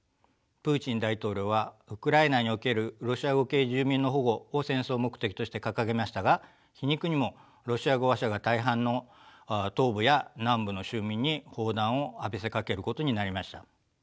プーチン大統領はウクライナにおけるロシア語系住民の保護を戦争目的として掲げましたが皮肉にもロシア語話者が大半の東部や南部の州民に砲弾を浴びせかけることになりました。